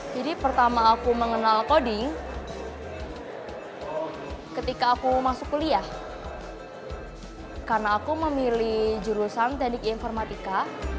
jadi pertama aku mengenal coding ketika aku masuk kuliah karena aku memilih jurusan teknik informatika